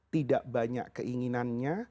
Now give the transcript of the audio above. tidak banyak keinginannya